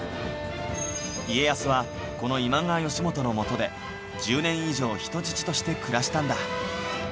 家康はこの今川義元のもとで１０年以上人質として暮らしたんだ